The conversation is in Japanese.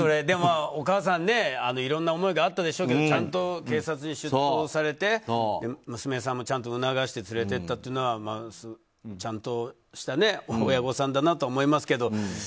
でも、お母さんもいろんな思いがあったでしょうけどちゃんと警察に出頭されて娘さんもちゃんと促して連れて行ったというのはちゃんとした親御さんだなと思いますけど。